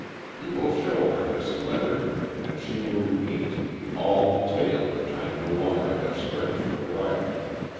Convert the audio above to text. You will show her this letter, and she will repeat to you all the tale which I no longer have strength to write.